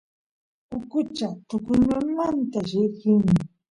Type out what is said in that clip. ukucha tukuymamanta llikin